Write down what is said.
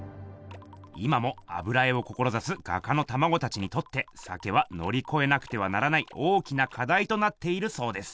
今も油絵をこころざす画家のたまごたちにとって「鮭」はのりこえなくてはならない大きなかだいとなっているそうです。